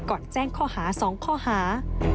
ก่อนแจ้งข้อหาสองข้อหา